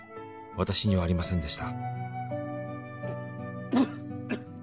「私にはありませんでした」